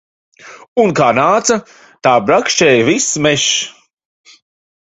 Un kā nāca, tā brakšķēja viss mežs.